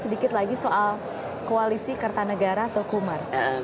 sedikit lagi soal koalisi kertanegara atau kumar